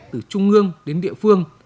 từ trung ương đến địa phương